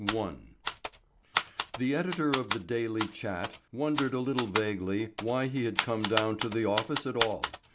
I. The editor of The Daily Chat wondered a little vaguely why he had come down to the office at all.